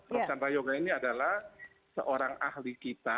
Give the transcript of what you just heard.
prof chandra yoga ini adalah seorang ahli kita